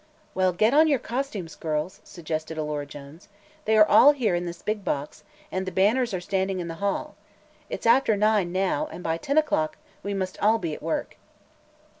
"Well, get on your costumes, girls," suggested Alora Jones. "They are all here, in this big box, and the banners are standing in the hall. It's after nine, now, and by ten o'clock we must all be at work."